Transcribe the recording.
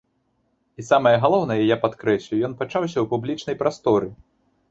І самае галоўнае, я падкрэслю, ён пачаўся ў публічнай прасторы.